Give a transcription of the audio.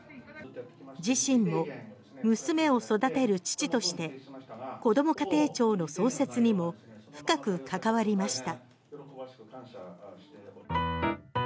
自身も娘を育てる父としてこども家庭庁の創設にも深く関わりました。